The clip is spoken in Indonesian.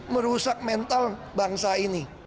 merusak mental bangsa ini